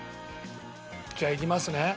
じゃあいきますね。